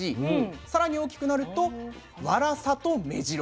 さらに大きくなると「わらさ」と「めじろ」。